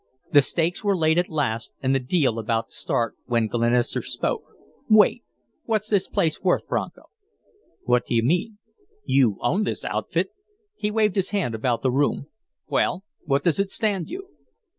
The stakes were laid at last and the deal about to start when Glenister spoke. "Wait! What's this place worth, Bronco?" "What do you mean?" "You own this outfit?" He waved his hand about the room. "Well, what does it stand you?"